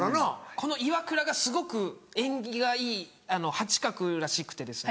この「イワクラ」がすごく縁起がいい８画らしくて。